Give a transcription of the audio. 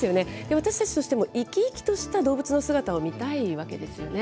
私たちとしても生き生きとした動物の姿を見たいわけですよね。